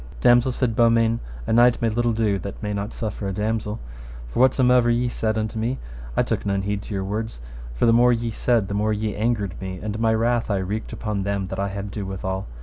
Damosel, said Beaumains, a knight may little do that may not suffer a damosel, for whatsomever ye said unto me I took none heed to your words, for the more ye said the more ye angered me, and my wrath I wreaked upon them that I had ado withal.